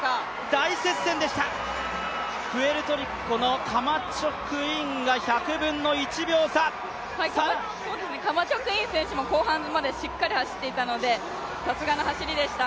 大接戦でした、プエルトリコのカマチョクインがカマチョクイン選手も後半までしっかり走っていたのでさすがの走りでした。